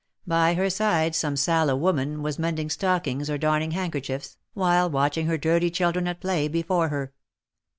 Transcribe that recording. By her side some sallow woman was mending stockings or darning hand kerchiefs, while watching her dirty children at play before her.